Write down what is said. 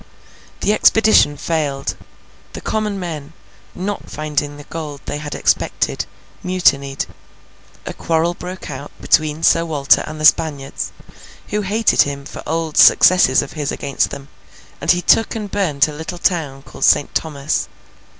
The expedition failed; the common men, not finding the gold they had expected, mutinied; a quarrel broke out between Sir Walter and the Spaniards, who hated him for old successes of his against them; and he took and burnt a little town called Saint Thomas.